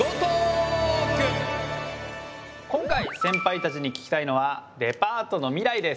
今回センパイたちに聞きたいのはデパートの未来です。